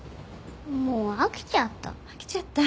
もう飽きちゃった。